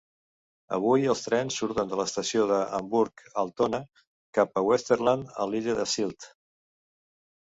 Avui els trens surten de l'estació d'Hamburg-Altona cap a Westerland a l'illa de Sylt.